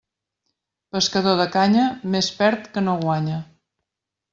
Pescador de canya, més perd que no guanya.